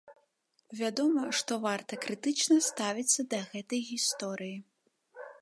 Вядома, што варта крытычна ставіцца да гэтай гісторыі.